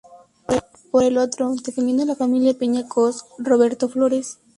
Por el otro, defendiendo a la Familia Peña Coss, Roberto Flores.